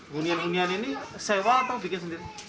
hunian hunian ini sewa atau bikin sendiri